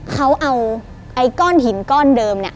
เขาเอาไอ้ก้อนหินก้อนเดิม